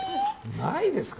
ないですか？